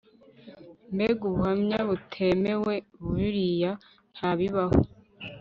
Mbega ubuhamya butemewe biriya ntabibaho